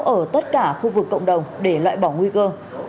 ở tất cả khu vực cộng đồng để loại bỏ nguy cơ